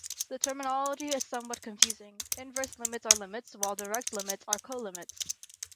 The terminology is somewhat confusing: inverse limits are limits, while direct limits are colimits.